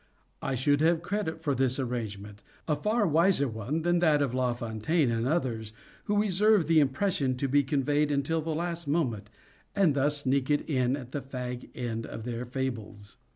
I should have credit for this arrangement—a far wiser one than that of La Fontaine and others, who reserve the impression to be conveyed until the last moment, and thus sneak it in at the fag end of their fables.